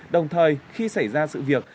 đồng thời khi xảy ra sự việc